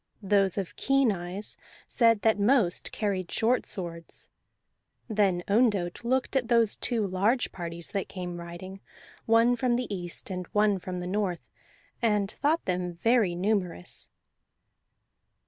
Those of keen eyes said that most carried short swords. Then Ondott looked at those two large parties that came riding, one from the east and one from the north, and thought them very numerous.